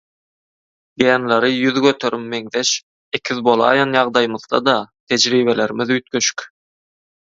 Genleri ýüz göterim meňzeş ekiz bolaýan ýagdaýymyzda-da tejribelerimiz üýtgeşik.